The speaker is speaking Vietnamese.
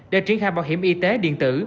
để triển khai bảo hiểm y tế điện tử